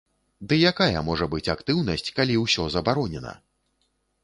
Ды якая можа быць актыўнасць, калі ўсё забаронена?